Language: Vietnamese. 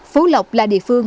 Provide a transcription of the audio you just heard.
phú lộc là địa phương